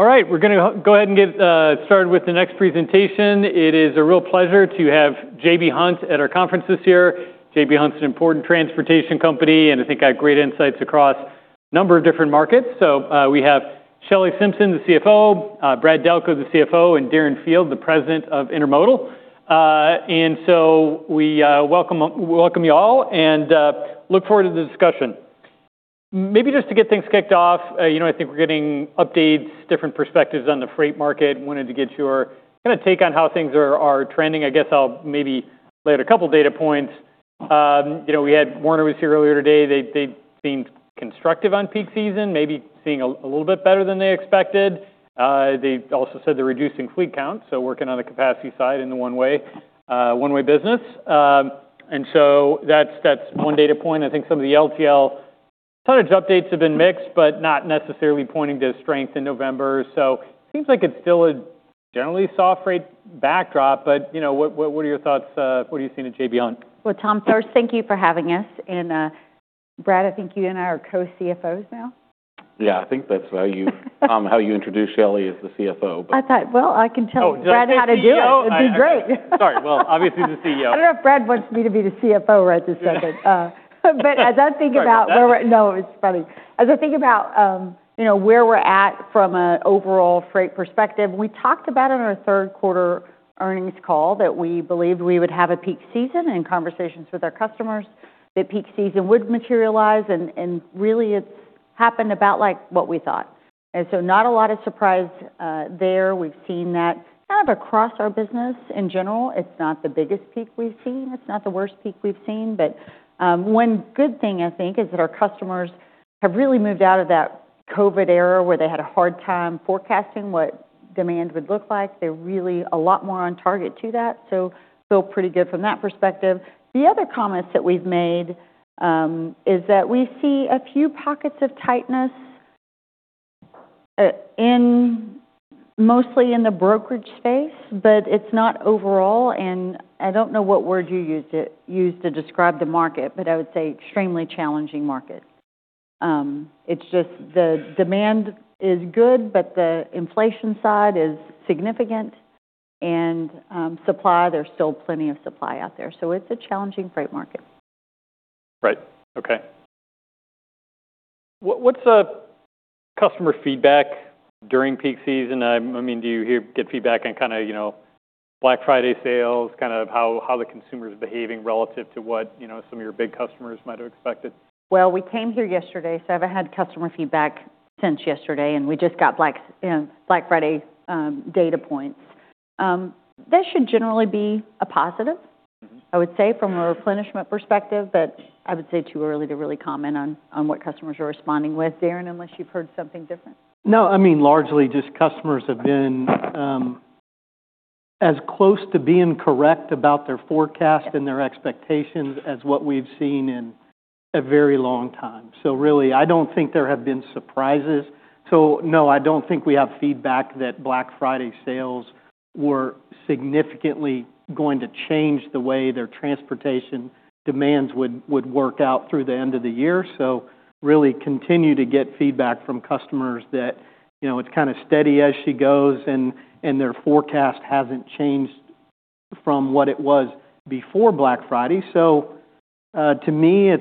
All right, we're going to go ahead and get started with the next presentation. It is a real pleasure to have J.B. Hunt at our conference this year. J.B. Hunt's an important transportation company, and got great insights across a number of different markets. We have Shelley Simpson, the CEO, Brad Delco, the CFO, and Darren Field, the President of Intermodal. We welcome you all and look forward to the discussion. Maybe just to get things kicked off, we're getting updates, different perspectives on the freight market. Wanted to get your take on how things are trending. I'll maybe lay out a couple of data points. We had Werner was here earlier today. They seemed constructive on peak season, maybe seeing a little bit better than they expected. They also said they're reducing fleet counts, so working on the capacity side in the one-way business. That's one data point. Some of the LTL tonnage updates have been mixed, but not necessarily pointing to strength in November. It seems like it's still a generally soft freight backdrop. What are your thoughts? What are you seeing at J.B. Hunt? Tom, first, thank you for having us. Brad, you and I are co-CFOs now. Yeah, that's how you introduce Shelley as the CFO. I thought, well, I can tell Brad how to do it. It'd be great. Sorry. Well, obviously, the CEO. I don't know if Brad wants me to be the CFO right this second, but as about where we're at, no, it's funny. As about where we're at from an overall freight perspective, we talked about in our third quarter earnings call that we believed we would have a peak season in conversations with our customers, that peak season would materialize, and really, it's happened about like what we thought, and so not a lot of surprise there. We've seen that across our business in general. It's not the biggest peak we've seen. It's not the worst peak we've seen, but one good thing, is that our customers have really moved out of that COVID era where they had a hard time forecasting what demand would look like. They're really a lot more on target to that. We feel pretty good from that perspective. The other comments that we've made is that we see a few pockets of tightness mostly in the brokerage space, but it's not overall. I don't know what word you used to describe the market, but I would say extremely challenging market. It's just the demand is good, but the inflation side is significant. Supply, there's still plenty of supply out there. It's a challenging freight market. Okay. What's the customer feedback during peak season? Do you get feedback on Black Friday sales, how the consumer's behaving relative to what, some of your big customers might have expected? We came here yesterday, so I haven't had customer feedback since yesterday. We just got Black Friday data points. That should generally be a positive, I would say, from a replenishment perspective. I would say too early to really comment on what customers are responding with, Darren, unless you've heard something different. No, largely just customers have been as close to being correct about their forecast and their expectations as what we've seen in a very long time. Really, I don't think there have been surprises. No, I don't think we have feedback that Black Friday sales were significantly going to change the way their transportation demands would work out through the end of the year. Really continue to get feedback from customers that it's of steady as she goes and their forecast hasn't changed from what it was before Black Friday. To me,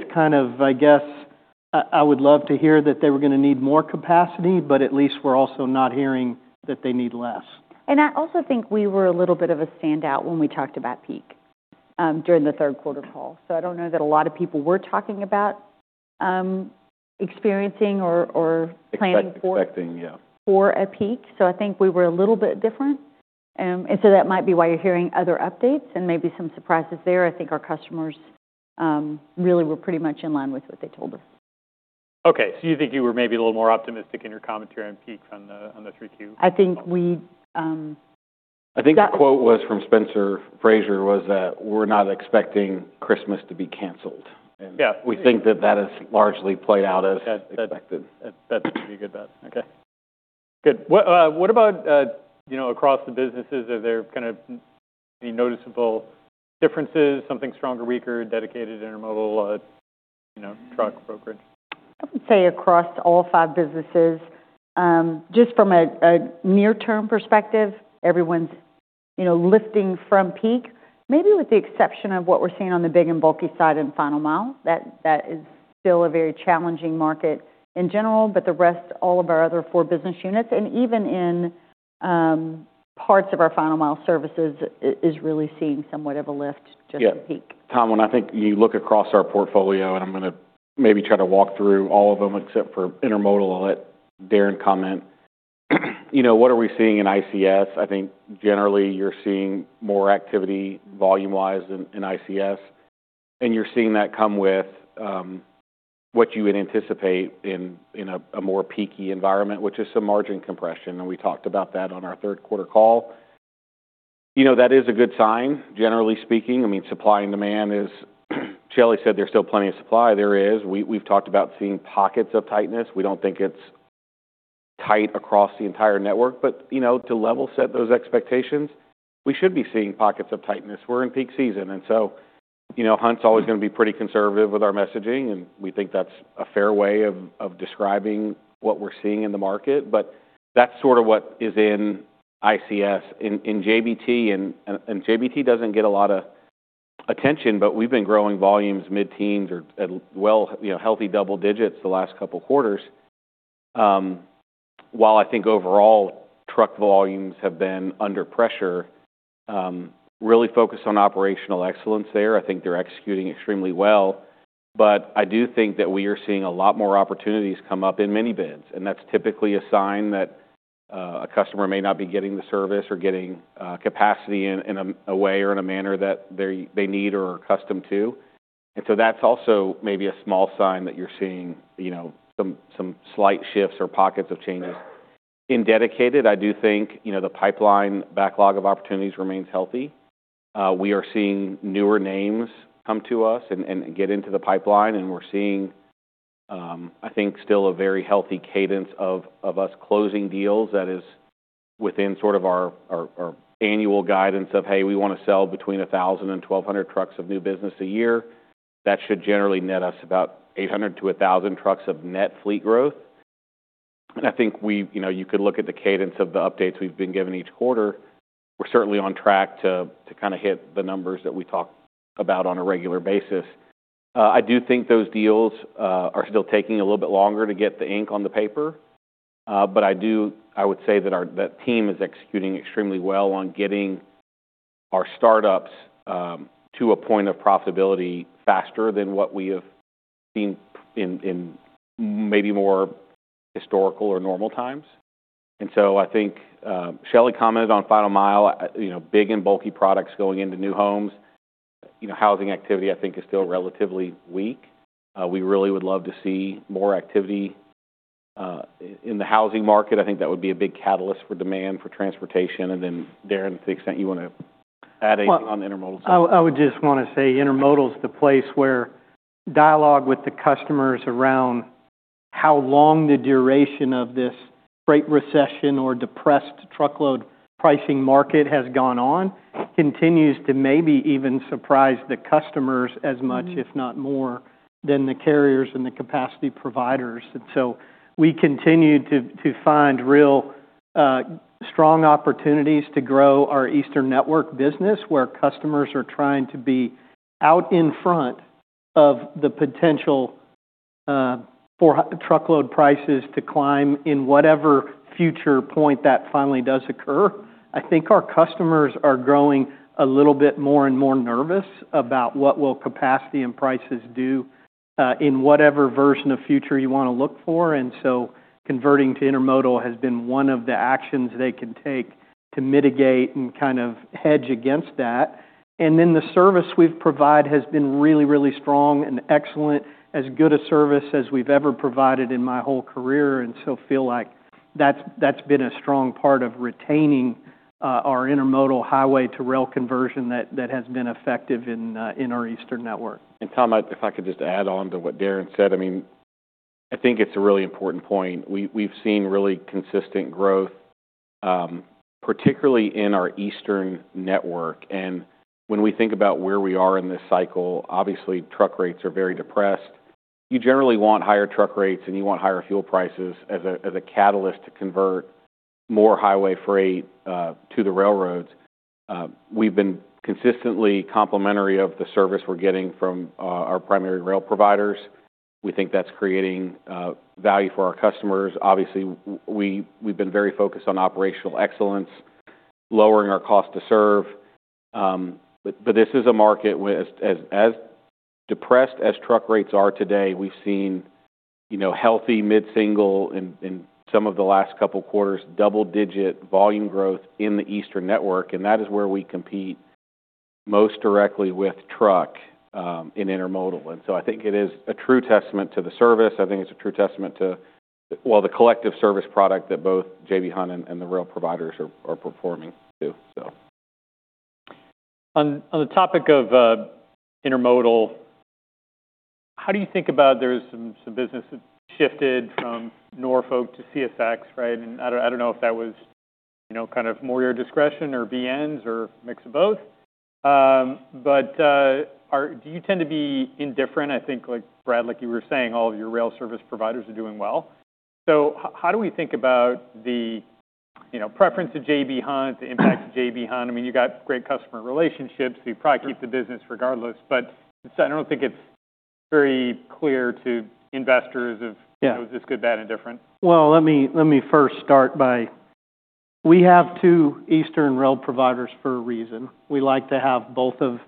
I would love to hear that they were going to need more capacity, but at least we're also not hearing that they need less. We were a little bit of a standout when we talked about peak during the third quarter call, so I don't know that a lot of people were talking about experiencing or planning for. Expecting, yeah. For a peak. We were a little bit different, and so that might be why you're hearing other updates and maybe some surprises there. Our customers really were pretty much in line with what they told us. Okay. You think you were maybe a little more optimistic in your commentary on peak on the 3Q? The quote was from Spencer Frazier, that we're not expecting Christmas to be canceled. That that has largely played out as expected. That's pretty good, Brad. Okay. Good. What about across the businesses, are there any noticeable differences? Something stronger, weaker, dedicated intermodal, truck brokerage? I would say across all five businesses, just from a near-term perspective, everyone's, lifting from peak, maybe with the exception of what we're seeing on the big and bulky side and final mile. That is still a very challenging market in general, but the rest, all of our other four business units, and even in parts of our final mile services, is really seeing somewhat of a lift just from peak. Yeah. Tom, when you look across our portfolio, and I'm going to maybe try to walk through all of them except for intermodal, let Darren comment. What are we seeing in ICS? Generally you're seeing more activity volume-wise in ICS, and you're seeing that come with what you would anticipate in a more peaky environment, which is some margin compression, and we talked about that on our third quarter call. That is a good sign, generally speaking. Supply and demand is. Shelley said there's still plenty of supply. There is. We've talked about seeing pockets of tightness. We don't think it's tight across the entire network. To level set those expectations, we should be seeing pockets of tightness. We're in peak season, and so Hunt's always going to be pretty conservative with our messaging. That's a fair way of describing what we're seeing in the market. That's of what is in ICS, in JBT. JBT doesn't get a lot of attention, but we've been growing volumes mid-teens or, well,, healthy double digits the last couple of quarters. While overall truck volumes have been under pressure, really focused on operational excellence there, they're executing extremely well. We are seeing a lot more opportunities come up in mini-bids. That's typically a sign that a customer may not be getting the service or getting capacity in a way or in a manner that they need or are accustomed to. That's also maybe a small sign that you're seeing some slight shifts or pockets of changes. In dedicated, the pipeline backlog of opportunities remains healthy. We are seeing newer names come to us and get into the pipeline. We're seeing, still a very healthy cadence of us closing deals that is within our annual guidance of, hey, we want to sell between 1,000 and 1,200 trucks of new business a year. That should generally net us about 800 to 1,000 trucks of net fleet growth. You could look at the cadence of the updates we've been given each quarter. We're certainly on track to hit the numbers that we talk about on a regular basis. Those deals are still taking a little bit longer to get the ink on the paper. I would say that our team is executing extremely well on getting our startups to a point of profitability faster than what we have seen in maybe more historical or normal times. Shelley commented on final mile, big and bulky products going into new homes. Housing activity, is still relatively weak. We really would love to see more activity in the housing market. That would be a big catalyst for demand for transportation. Darren, to the extent you want to add anything on intermodal. I would just want to say Intermodal is the place where dialogue with the customers around how long the duration of this freight recession or depressed truckload pricing market has gone on continues to maybe even surprise the customers as much, if not more, than the carriers and the capacity providers. We continue to find real strong opportunities to grow our Eastern Network business where customers are trying to be out in front of the potential for truckload prices to climb in whatever future point that finally does occur. Our customers are growing a little bit more and more nervous about what will capacity and prices do in whatever version of future you want to look for. Converting to Intermodal has been one of the actions they can take to mitigate and hedge against that. The service we've provided has been really, really strong and excellent, as good a service as we've ever provided in my whole career. Feel like that's been a strong part of retaining our intermodal highway to rail conversion that has been effective in our Eastern Network. Tom, if I could just add on to what Darren said, it's a really important point. We've seen really consistent growth, particularly in our Eastern Network. When we think about where we are in this cycle, obviously truck rates are very depressed. You generally want higher truck rates and you want higher fuel prices as a catalyst to convert more highway freight to the railroads. We've been consistently complimentary of the service we're getting from our primary rail providers. That's creating value for our customers. Obviously, we've been very focused on operational excellence, lowering our cost to serve. This is a market where, as depressed as truck rates are today, we've seen healthy mid-single in some of the last couple of quarters, double-digit volume growth in the Eastern Network. That is where we compete most directly with truck in intermodal. It is a true testament to the service. It's a true testament to, well, the collective service product that both J.B. Hunt and the rail providers are performing too, so. On the topic of intermodal, how do you think about there's some business that shifted from Norfolk to CSX, right? I don't know if that was more your discretion or BNs or mix of both. Do you tend to be indifferent? Like Brad, like you were saying, all of your rail service providers are doing well. How do we think about the preference to J.B. Hunt, the impact to J.B. Hunt? You got great customer relationships, so you probably keep the business regardless. I don't think it's very clear to investors of this good, bad, and different. Let me first start by, we have two Eastern rail providers for a reason. We like to have both of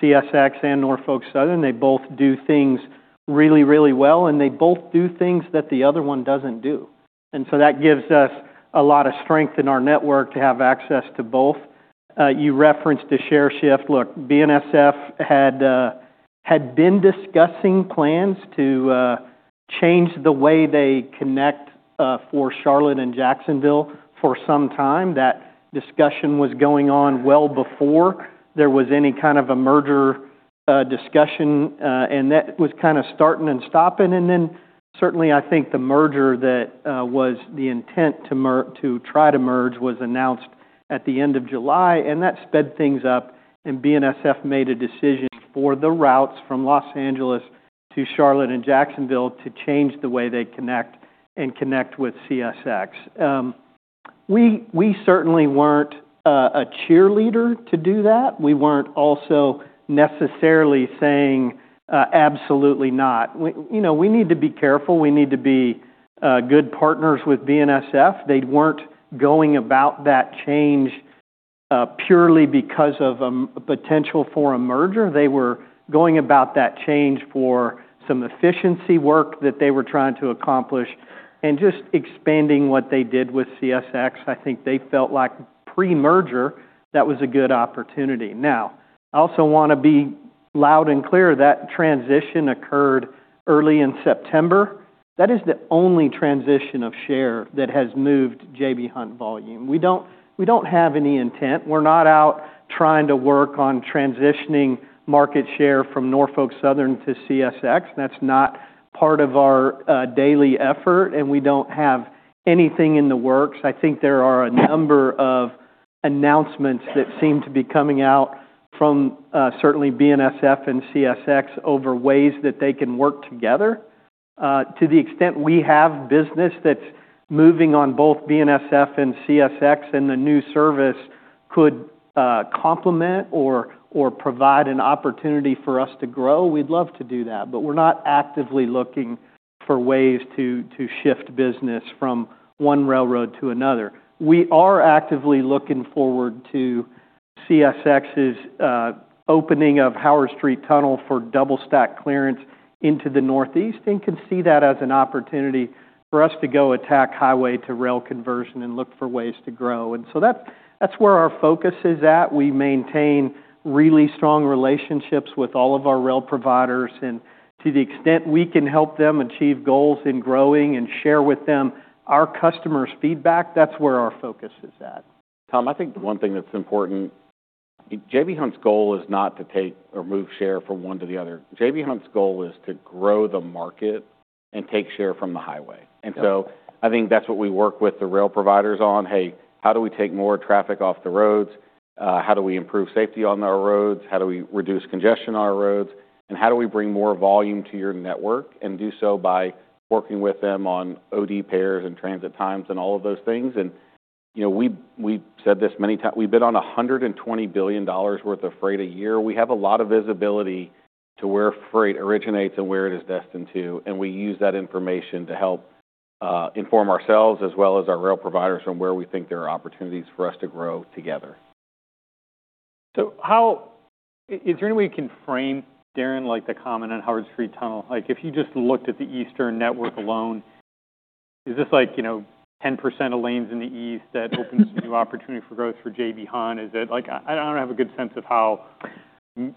CSX and Norfolk Southern. They both do things really, really well. They both do things that the other one doesn't do. So that gives us a lot of strength in our network to have access to both. You referenced the share shift. Look, BNSF had been discussing plans to change the way they connect for Charlotte and Jacksonville for some time. That discussion was going on well before there was any a merger discussion. That was starting and stopping. Certainly, the merger that was the intent to try to merge was announced at the end of July. That sped things up. BNSF made a decision for the routes from Los Angeles to Charlotte and Jacksonville to change the way they connect with CSX. We certainly weren't a cheerleader to do that. We weren't also necessarily saying absolutely not. We need to be careful. We need to be good partners with BNSF. They weren't going about that change purely because of a potential for a merger. They were going about that change for some efficiency work that they were trying to accomplish and just expanding what they did with CSX. They felt like pre-merger that was a good opportunity. Now, I also want to be loud and clear that transition occurred early in September. That is the only transition of share that has moved J.B. Hunt volume. We don't have any intent. We're not out trying to work on transitioning market share from Norfolk Southern to CSX. That's not part of our daily effort, and we don't have anything in the works. There are a number of announcements that seem to be coming out from certainly BNSF and CSX over ways that they can work together. To the extent we have business that's moving on both BNSF and CSX and the new service could complement or provide an opportunity for us to grow, we'd love to do that. We're not actively looking for ways to shift business from one railroad to another. We are actively looking forward to CSX's opening of Howard Street Tunnel for double-stack clearance into the Northeast and can see that as an opportunity for us to go attack highway to rail conversion and look for ways to grow. That's where our focus is at. We maintain really strong relationships with all of our rail providers. To the extent we can help them achieve goals in growing, and share with them our customers' feedback, that's where our focus is at. Tom, the one thing that's important, J.B. Hunt's goal is not to take or move share from one to the other. J.B. Hunt's goal is to grow the market and take share from the highway. That's what we work with the rail providers on. Hey, how do we take more traffic off the roads? How do we improve safety on our roads? How do we reduce congestion on our roads? And how do we bring more volume to your network? And do so by working with them on OD pairs and transit times and all of those things. We've said this many times, we've been on $120 billion worth of freight a year. We have a lot of visibility to where freight originates and where it is destined to. We use that information to help inform ourselves as well as our rail providers on where we think there are opportunities for us to grow together. How is there any way you can frame, Darren, like the comment on Howard Street Tunnel? Like if you just looked at the Eastern Network alone, is this like 10% of lanes in the east that opens a new opportunity for growth for J.B. Hunt? Is it like, I don't have a good sense of how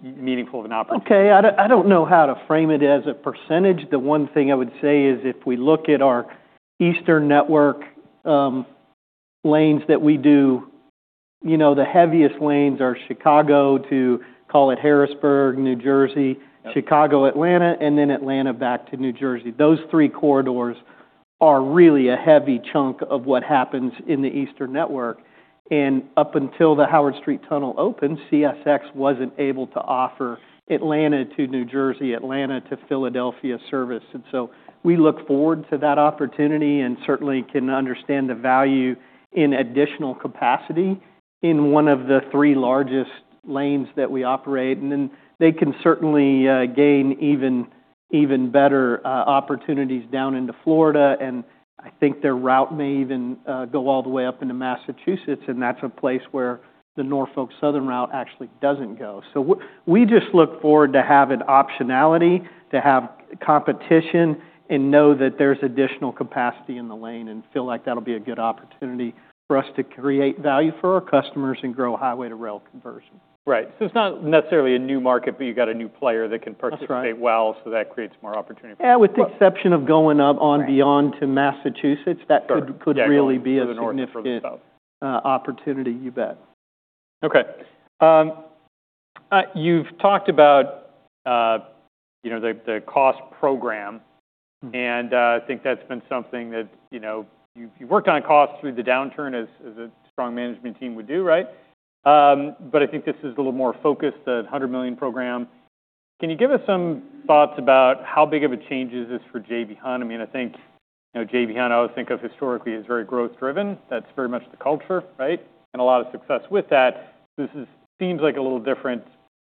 meaningful of an opportunity. Okay. I don't know how to frame it as a percentage. The one thing I would say is if we look at our Eastern Network lanes that we do the heaviest lanes are Chicago to, call it, Harrisburg, New Jersey, Chicago-Atlanta, and then Atlanta back to New Jersey. Those three corridors are really a heavy chunk of what happens in the Eastern Network. Up until the Howard Street Tunnel opened, CSX wasn't able to offer Atlanta to New Jersey, Atlanta to Philadelphia service. And so we look forward to that opportunity and certainly can understand the value in additional capacity in one of the three largest lanes that we operate. They can certainly gain even better opportunities down into Florida. Their route may even go all the way up into Massachusetts. That's a place where the Norfolk Southern route actually doesn't go. We just look forward to having optionality, to have competition and know that there's additional capacity in the lane and feel like that'll be a good opportunity for us to create value for our customers and grow highway to rail conversion. Right. It's not necessarily a new market, but you got a new player that can participate well. That creates more opportunity for. Yeah. With the exception of going up and beyond to Massachusetts, that could really be a significant opportunity, you bet. Okay. You've talked about, the cost program, and that's been something that, you've worked on cost through the downturn as a strong management team would do, right, but this is a little more focused, the $100 million program. Can you give us some thoughts about how big of a change is this for J.B. Hunt? J.B. Hunt, I always think of historically as very growth-driven. That's very much the culture, right, and a lot of success with that. This seems like a little different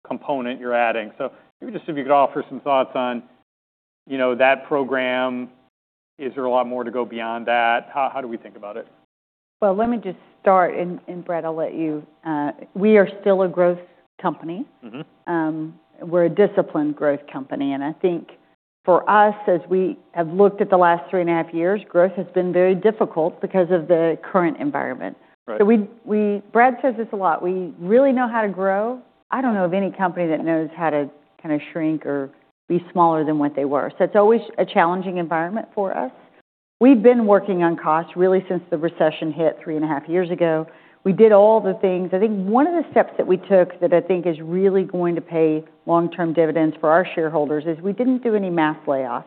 component you're adding, so maybe just if you could offer some thoughts on, that program, is there a lot more to go beyond that? How do we think about it? Let me just start. Brad, I'll let you. We are still a growth company. We're a disciplined growth company. For us, as we have looked at the last three and a half years, growth has been very difficult because of the current environment. We, Brad says this a lot, really know how to grow. I don't know of any company that knows how to shrink or be smaller than what they were. It's always a challenging environment for us. We've been working on cost really since the recession hit three and a half years ago. We did all the things. One of the steps that we took that is really going to pay long-term dividends for our shareholders is we didn't do any mass layoffs.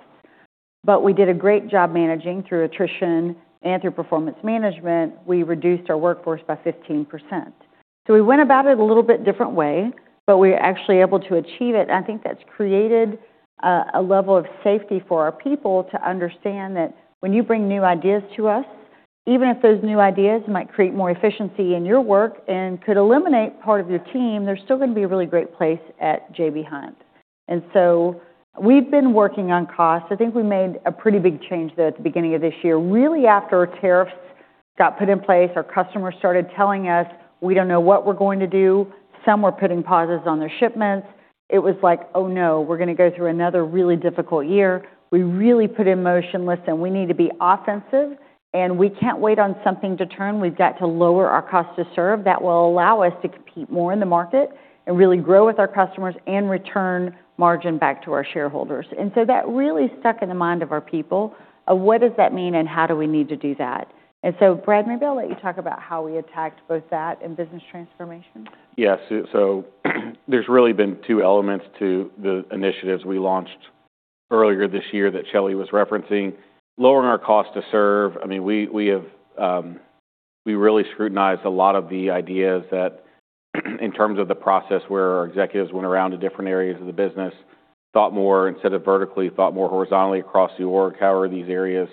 We did a great job managing through attrition and through performance management. We reduced our workforce by 15%. We went about it a little bit different way, but we were actually able to achieve it. That's created a level of safety for our people to understand that when you bring new ideas to us, even if those new ideas might create more efficiency in your work and could eliminate part of your team, there's still going to be a really great place at J.B. Hunt's. We've been working on costs. We made a pretty big change there at the beginning of this year, really after tariffs got put in place. Our customers started telling us, "We don't know what we're going to do." Some were putting pauses on their shipments. It was like, "Oh no, we're going to go through another really difficult year." We really put in motion, "Listen, we need to be offensive. We can't wait on something to turn. We've got to lower our cost to serve. That will allow us to compete more in the market and really grow with our customers and return margin back to our shareholders," and so that really stuck in the mind of our people of what does that mean and how do we need to do that, and so, Brad, maybe I'll let you talk about how we attacked both that and business transformation. Yeah. There's really been two elements to the initiatives we launched earlier this year that Shelley was referencing. Lowering our cost to serve. We really scrutinized a lot of the ideas that in terms of the process where our executives went around to different areas of the business, thought more instead of vertically, thought more horizontally across the org, how are these areas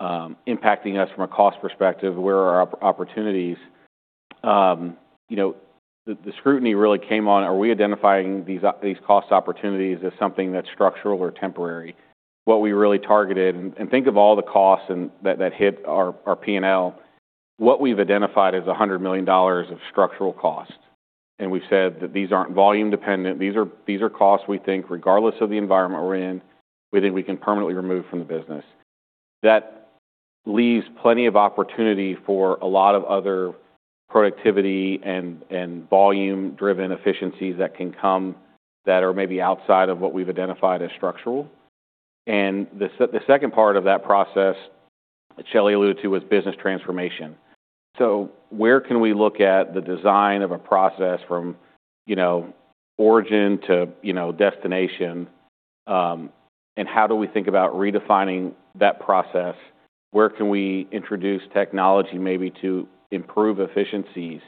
impacting us from a cost perspective? Where are our opportunities? The scrutiny really came on, are we identifying these cost opportunities as something that's structural or temporary? What we really targeted, and think of all the costs that hit our P&L, what we've identified is $100 million of structural costs. We've said that these aren't volume dependent. These are costs we think, regardless of the environment we're in, we think we can permanently remove from the business. That leaves plenty of opportunity for a lot of other productivity and volume-driven efficiencies that can come that are maybe outside of what we've identified as structural. The second part of that process that Shelley alluded to was business transformation. Where can we look at the design of a process from origin to destination? And how do we think about redefining that process? Where can we introduce technology maybe to improve efficiencies?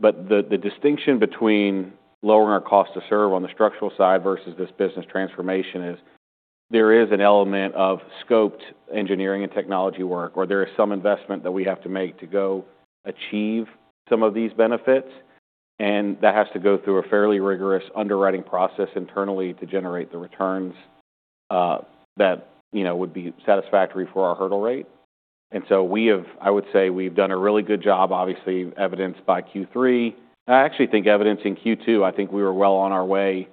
But the distinction between lowering our cost to serve on the structural side versus this business transformation is there is an element of scoped engineering and technology work, or there is some investment that we have to make to go achieve some of these benefits. That has to go through a fairly rigorous underwriting process internally to generate the returns that would be satisfactory for our hurdle rate. We have, I would say we've done a really good job, obviously evidenced by Q3. I actually think evidencing Q2, We were well on our way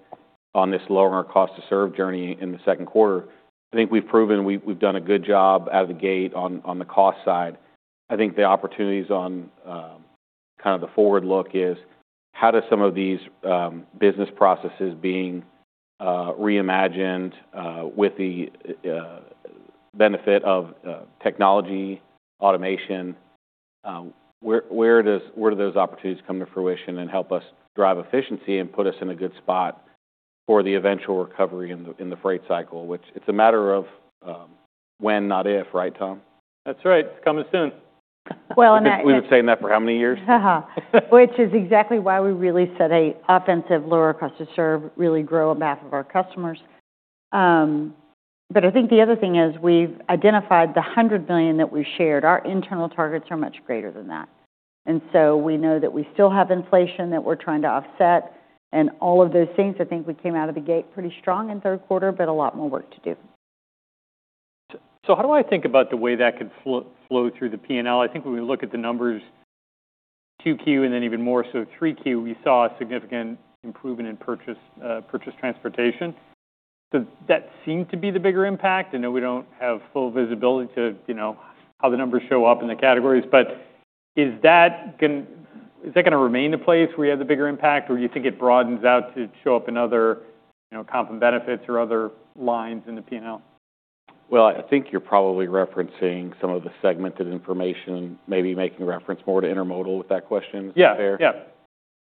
on this lowering our cost to serve journey in the second quarter. We've proven we've done a good job out of the gate on the cost side. The opportunities on the forward look is how do some of these business processes being reimagined with the benefit of technology, automation, where do those opportunities come to fruition and help us drive efficiency and put us in a good spot for the eventual recovery in the freight cycle, which it's a matter of when, not if, right, Tom? That's right. It's coming soon. We've been saying that for how many years? Which is exactly why we really said an offensive lower cost to serve, really grow a map of our customers. The other thing is we've identified the $100 million that we shared. Our internal targets are much greater than that. We know that we still have inflation that we're trying to offset. All of those things, we came out of the gate pretty strong in third quarter, but a lot more work to do. How do I think about the way that could flow through the P&L? When we look at the numbers QQ and then even more so 3Q, we saw a significant improvement in Purchased Transportation. That seemed to be the bigger impact. I know we don't have full visibility to, how the numbers show up in the categories. Is that going to remain the place where you have the bigger impact? Or do you think it broadens out to show up in other comp and benefits or other lines in the P&L? You're probably referencing some of the segmented information, maybe making reference more to intermodal with that question. Is that fair?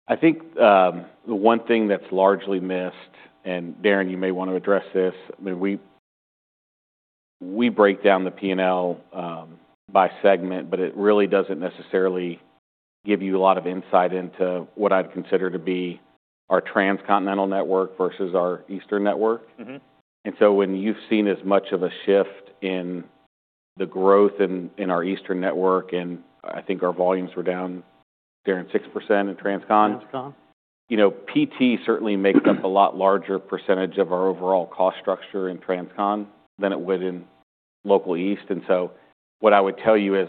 The one thing that's largely missed, and Darren, you may want to address this. We break down the P&L by segment, but it really doesn't necessarily give you a lot of insight into what I'd consider to be our Transcontinental network versus our Eastern Network. When you've seen as much of a shift in the growth in our Eastern Network, and our volumes were down, Darren, 6% in Transcontinental. PT certainly makes up a lot larger percentage of our overall cost structure in transcontinental than it would in local east. What I would tell you is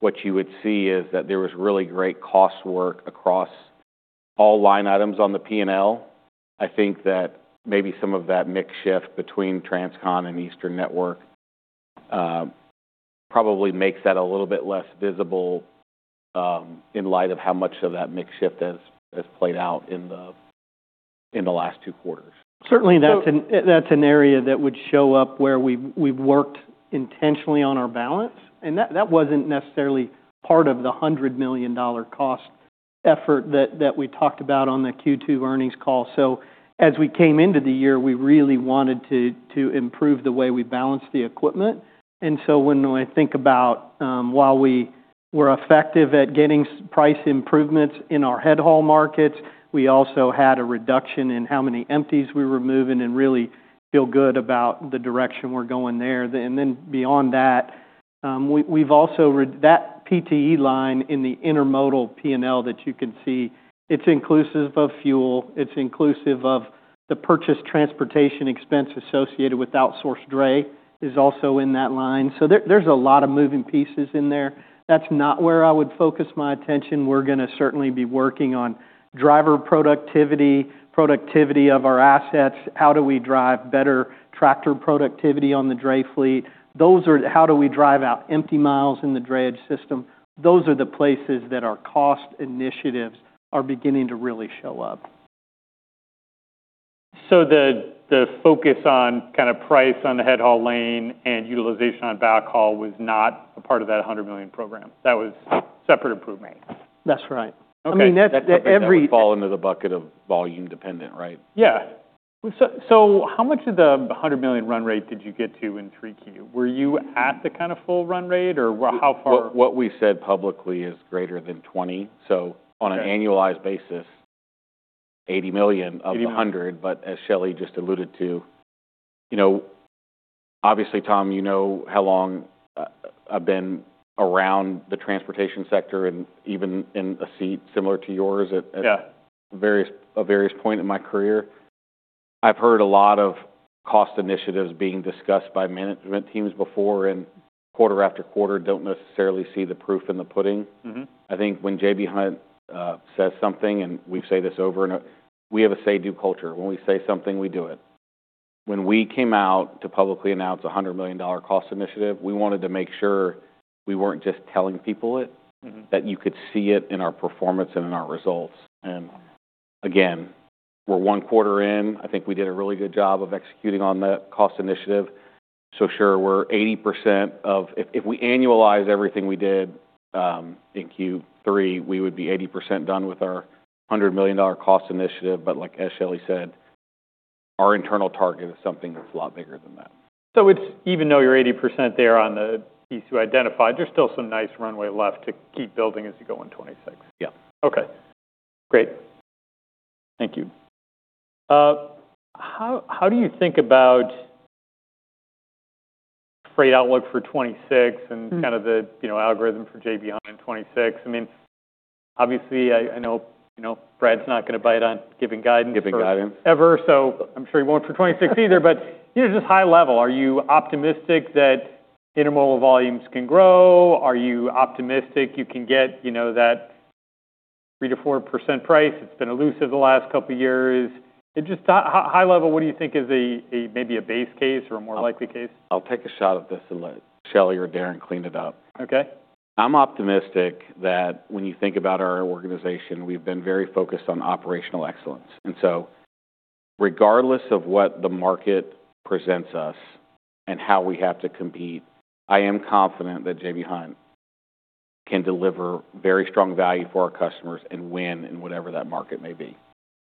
what you would see is that there was really great cost work across all line items on the P&L. That maybe some of that mix shift between transcontinental and Eastern network probably makes that a little bit less visible in light of how much of that mix shift has played out in the last two quarters. Certainly, that's an area that would show up where we've worked intentionally on our balance. That wasn't necessarily part of the $100 million cost effort that we talked about on the Q2 earnings call. As we came into the year, we really wanted to improve the way we balanced the equipment. About while we were effective at getting price improvements in our head-haul markets, we also had a reduction in how many empties we were moving and really feel good about the direction we're going there. Beyond that, we've also that PTE line in the intermodal P&L that you can see; it's inclusive of fuel. It's inclusive of the purchase transportation expense associated with outsourced dray; it's also in that line. There's a lot of moving pieces in there. That's not where I would focus my attention. We're going to certainly be working on driver productivity, productivity of our assets. How do we drive better tractor productivity on the dray fleet? Those are how do we drive out empty miles in the drayage system? Those are the places that our cost initiatives are beginning to really show up. The focus price on the head-haul lane and utilization on backhaul was not a part of that $100 million program. That was separate improvement. That doesn't fall into the bucket of volume dependent, right? How much of the $100 million run rate did you get to in 3Q? Were you at the full run rate or how far? What we said publicly is greater than 20%. On an annualized basis, $80 million of $100 million. As Shelley just alluded to, obviously, Tom, how long I've been around the transportation sector and even in a seat similar to yours at various points in my career. I've heard a lot of cost initiatives being discussed by management teams before and quarter after quarter don't necessarily see the proof in the pudding. When J.B. Hunt says something, and we say this over and over, we have a say-do culture. When we say something, we do it. When we came out to publicly announce a $100 million cost initiative, we wanted to make sure we weren't just telling people it, that you could see it in our performance and in our results. Again, we're one quarter in. We did a really good job of executing on that cost initiative. Sure, we're 80% there if we annualize everything we did in Q3, we would be 80% done with our $100 million cost initiative. Like as Shelley said, our internal target is something that's a lot bigger than that. Even though you're 80% there on the piece you identified, there's still some nice runway left to keep building as you go in 2026. Okay. Great. Thank you. How do you think about freight outlook for 2026 and the algorithm for J.B. Hunt in 2026? Obviously, I know Brad's not going to bite on giving guidance. Giving guidance. Ever. I'm sure he won't for 2026 either. Just high level, are you optimistic that intermodal volumes can grow? Are you optimistic you can get that 3%-4% price? It's been elusive the last couple of years. Just high level, what do you think is maybe a base case or a more likely case? I'll take a shot at this and let Shelley or Darren clean it up. I'm optimistic that when you think about our organization, we've been very focused on operational excellence, and so regardless of what the market presents us and how we have to compete, I am confident that J.B. Hunt can deliver very strong value for our customers and win in whatever that market may be.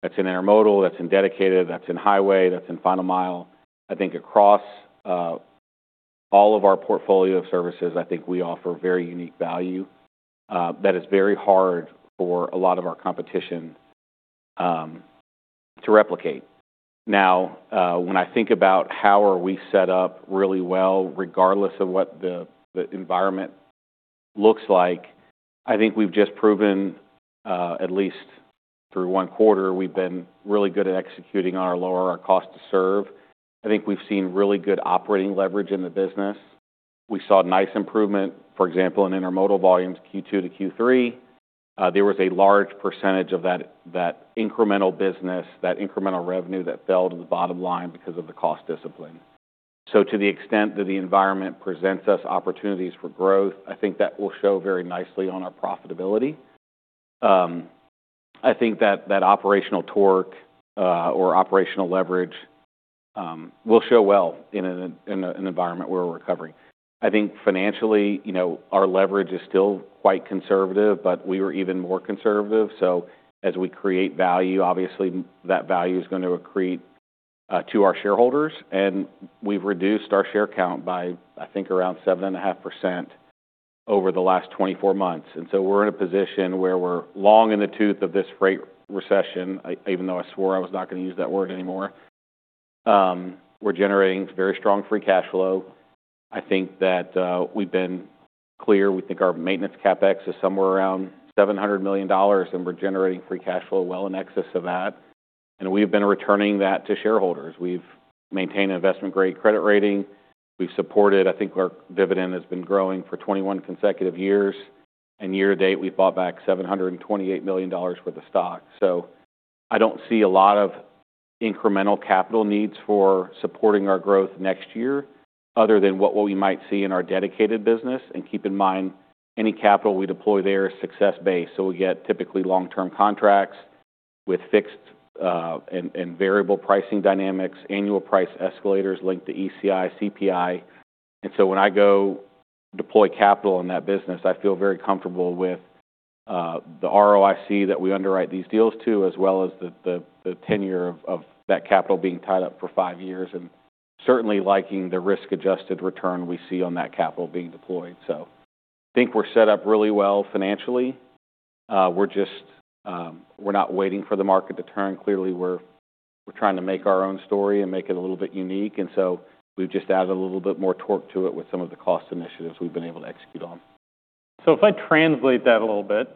That's in intermodal, that's in dedicated, that's in highway, that's in final mile. Across all of our portfolio of services, we offer very unique value that is very hard for a lot of our competition to replicate. Now, when about how are we set up really well, regardless of what the environment looks like, we've just proven, at least through one quarter, we've been really good at executing on lowering our cost to serve. We've seen really good operating leverage in the business. We saw nice improvement, for example, in intermodal volumes Q2 to Q3. There was a large percentage of that incremental business, that incremental revenue that fell to the bottom line because of the cost discipline. To the extent that the environment presents us opportunities for growth, that will show very nicely on our profitability. That that operational torque or operational leverage will show well in an environment where we're recovering. Financially, our leverage is still quite conservative, but we were even more conservative. As we create value, obviously, that value is going to accrete to our shareholders. We've reduced our share count by, around 7.5% over the last 24 months. We're in a position where we're long in the tooth of this freight recession, even though I swore I was not going to use that word anymore. We're generating very strong free cash flow. That we've been clear. We think our maintenance CapEx is somewhere around $700 million, and we're generating free cash flow well in excess of that. We've been returning that to shareholders. We've maintained investment-grade credit rating. We've supported, our dividend has been growing for 21 consecutive years. Year to date, we've bought back $728 million worth of stock. I don't see a lot of incremental capital needs for supporting our growth next year other than what we might see in our dedicated business. Keep in mind, any capital we deploy there is success-based. We get typically long-term contracts with fixed and variable pricing dynamics, annual price escalators linked to ECI, CPI. When I go deploy capital in that business, I feel very comfortable with the ROIC that we underwrite these deals to, as well as the tenure of that capital being tied up for five years and certainly liking the risk-adjusted return we see on that capital being deployed. We're set up really well financially. We're just not waiting for the market to turn. Clearly, we're trying to make our own story and make it a little bit unique. We've just added a little bit more torque to it with some of the cost initiatives we've been able to execute on. If I translate that a little bit,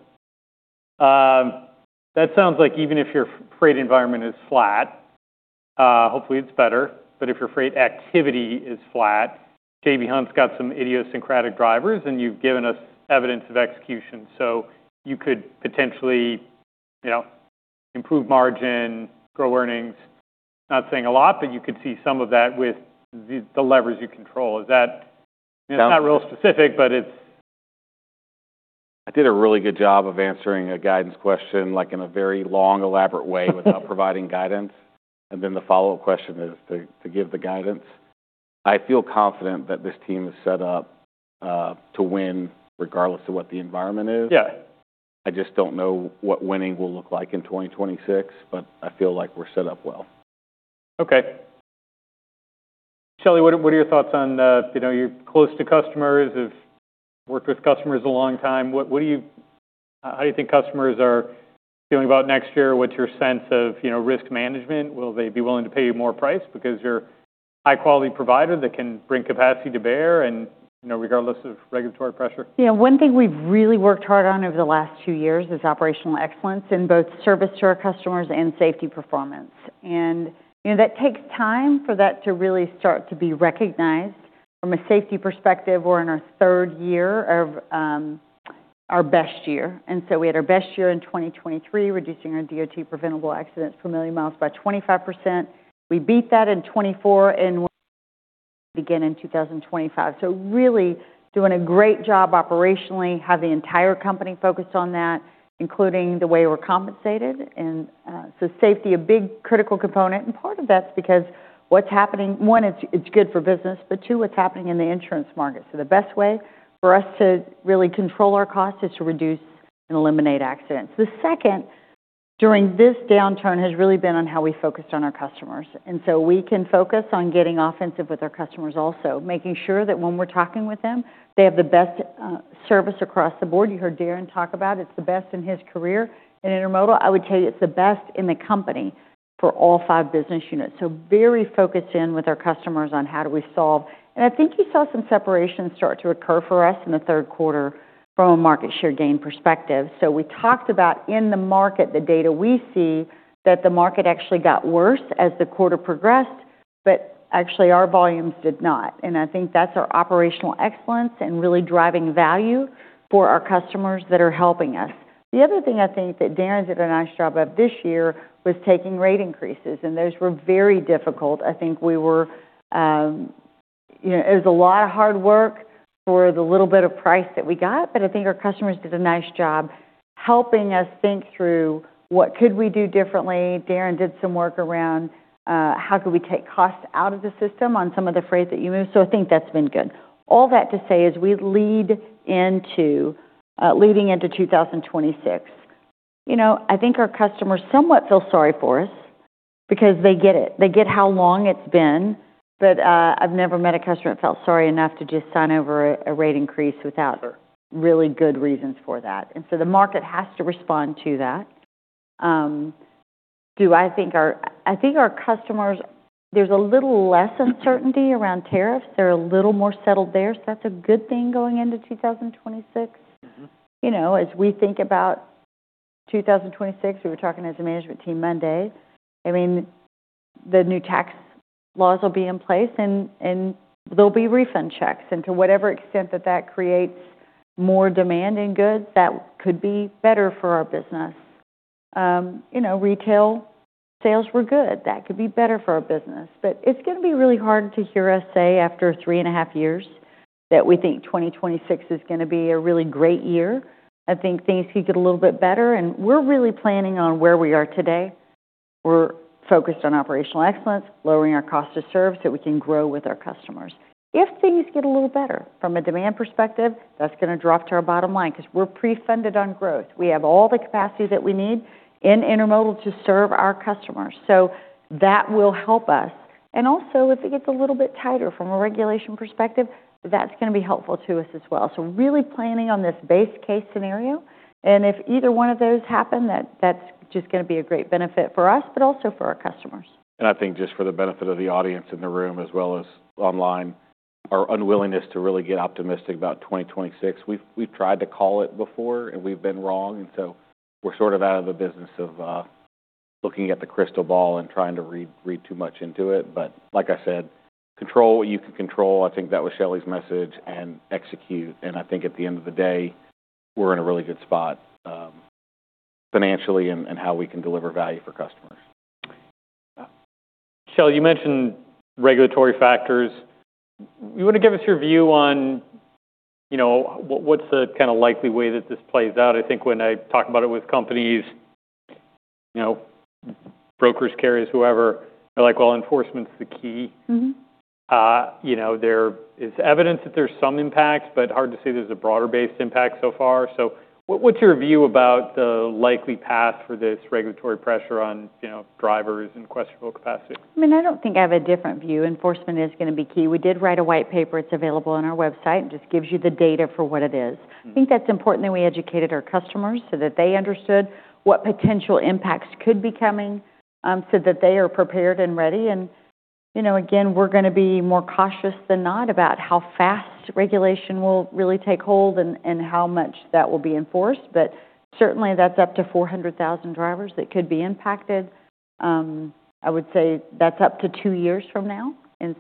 that sounds like even if your freight environment is flat, hopefully it's better. If your freight activity is flat, J.B. Hunt's got some idiosyncratic drivers, and you've given us evidence of execution. You could potentially improve margin, grow earnings. Not saying a lot, but you could see some of that with the levers you control. Is that, it's not real specific, but it's. I did a really good job of answering a guidance question like in a very long, elaborate way without providing guidance, and then the follow-up question is to give the guidance. I feel confident that this team is set up to win regardless of what the environment is. I just don't know what winning will look like in 2026, but I feel like we're set up well. Okay. Shelley, what are your thoughts on, you're close to customers, have worked with customers a long time. What do you, how do you think customers are feeling about next year? What's your sense of risk management? Will they be willing to pay you more price because you're a high-quality provider that can bring capacity to bear and regardless of regulatory pressure? Yeah. One thing we've really worked hard on over the last two years is operational excellence in both service to our customers and safety performance. That takes time for that to really start to be recognized from a safety perspective. We're in our third year of our best year. We had our best year in 2023, reducing our DOT preventable accidents per million miles by 25%. We beat that in 2024 and we begin in 2025. Really doing a great job operationally, have the entire company focused on that, including the way we're compensated. Safety, a big critical component. Part of that's because what's happening, one, it's good for business, but two, what's happening in the insurance market. The best way for us to really control our costs is to reduce and eliminate accidents. The second during this downturn has really been on how we focused on our customers, and so we can focus on getting offensive with our customers also, making sure that when we're talking with them, they have the best service across the board. You heard Darren talk about it. It's the best in his career in intermodal. I would tell you it's the best in the company for all five business units, so very focused in with our customers on how do we solve. You saw some separation start to occur for us in the third quarter from a market share gain perspective, so we talked about in the market, the data we see that the market actually got worse as the quarter progressed, but actually our volumes did not. That's our operational excellence and really driving value for our customers that are helping us. The other thing that Darren did a nice job of this year was taking rate increases. Those were very difficult. We were it was a lot of hard work for the little bit of price that we got. Our customers did a nice job helping us think through what could we do differently. Darren did some work around how could we take costs out of the system on some of the freight that you moved. That's been good. All that to say is we're leading into 2026. Our customers somewhat feel sorry for us because they get it. They get how long it's been. I've never met a customer that felt sorry enough to just sign over a rate increase without really good reasons for that. The market has to respond to that. Our customers, there's a little less uncertainty around tariffs. They're a little more settled there. That's a good thing going into 2026. As we think about 2026, we were talking as a management team Monday. The new tax laws will be in place and there'll be refund checks. To whatever extent that creates more demand in goods, that could be better for our business. Retail sales were good. That could be better for our business. It's going to be really hard to hear us say after three and a half years that we think 2026 is going to be a really great year. Things could get a little bit better. We're really planning on where we are today. We're focused on operational excellence, lowering our cost to serve so we can grow with our customers. If things get a little better from a demand perspective, that's going to drop to our bottom line because we're pre-funded on growth. We have all the capacity that we need in intermodal to serve our customers. That will help us. Also, if it gets a little bit tighter from a regulation perspective, that's going to be helpful to us as well. Really planning on this base case scenario. If either one of those happen, that's just going to be a great benefit for us, but also for our customers. Just for the benefit of the audience in the room as well as online, our unwillingness to really get optimistic about 2026. We've tried to call it before and we've been wrong. We're out of the business of looking at the crystal ball and trying to read too much into it, but like I said, control what you can control. That was Shelley's message and execute, and at the end of the day, we're in a really good spot financially, and how we can deliver value for customers. Shelley, you mentioned regulatory factors. You want to give us your view on what's the likely way that this plays out? When I talk about it with companies brokers, carriers, whoever, they're like, well, enforcement's the key. There is evidence that there's some impact, but hard to say there's a broader-based impact so far. What's your view about the likely path for this regulatory pressure on drivers and questionable capacity? I don't think I have a different view. Enforcement is going to be key. We did write a white paper. It's available on our website. It just gives you the data for what it is. That's important that we educated our customers so that they understood what potential impacts could be coming so that they are prepared and ready. Again, we're going to be more cautious than not about how fast regulation will really take hold and how much that will be enforced. Certainly that's up to 400,000 drivers that could be impacted. I would say that's up to two years from now.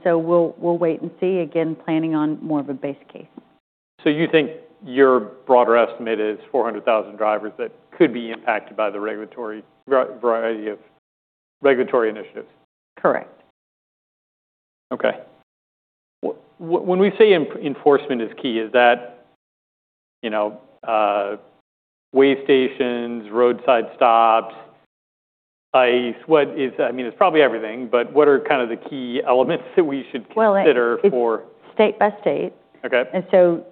We'll wait and see, again, planning on more of a base case. You think your broader estimate is 400,000 drivers that could be impacted by the regulatory variety of regulatory initiatives? Okay. When we say enforcement is key, is that weigh stations, roadside stops, ICE. It's probably everything, but what are the key elements that we should consider for? Well, it's state by state.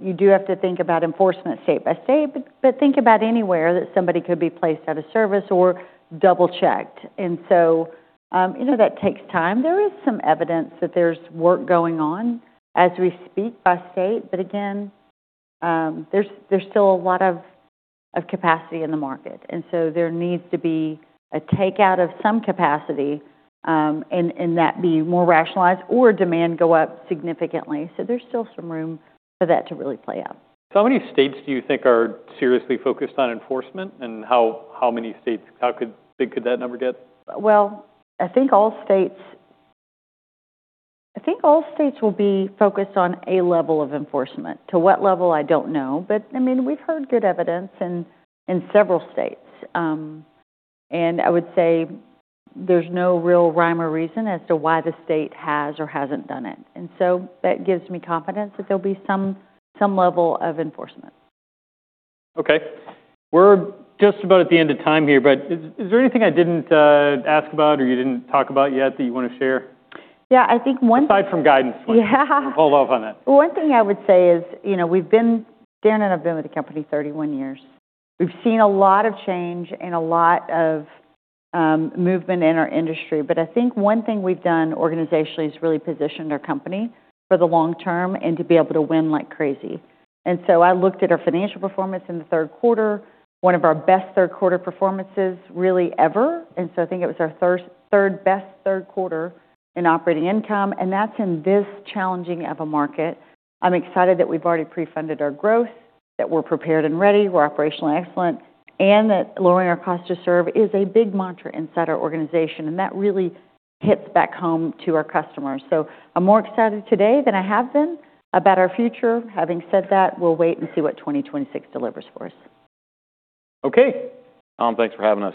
You do have to think about enforcement state by state, but think about anywhere that somebody could be placed out of service or double-checked. That takes time. There is some evidence that there's work going on as we speak by state. Again, there's still a lot of capacity in the market. There needs to be a takeout of some capacity and that be more rationalized or demand go up significantly. There's still some room for that to really play out. How many states do you think are seriously focused on enforcement and how many states? How could that number get? All states will be focused on a level of enforcement. To what level, I don't know. We've heard good evidence in several states. I would say there's no real rhyme or reason as to why the state has or hasn't done it. That gives me confidence that there'll be some level of enforcement. Okay. We're just about at the end of time here, but is there anything I didn't ask about or you didn't talk about yet that you want to share? Aside from guidance. Hold off on that. One thing I would say is we've been. Darren and I have been with the company 31 years. We've seen a lot of change and a lot of movement in our industry, but one thing we've done organizationally is really positioned our company for the long term and to be able to win like crazy, and so I looked at our financial performance in the third quarter, one of our best third quarter performances really ever. It was our third best third quarter in operating income, and that's in this challenging of a market. I'm excited that we've already pre-funded our growth, that we're prepared and ready, we're operationally excellent, and that lowering our cost to serve is a big mantra inside our organization, and that really hits back home to our customers. I'm more excited today than I have been about our future. Having said that, we'll wait and see what 2026 delivers for us. Thanks for having us.